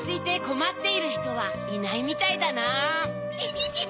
ピピピ。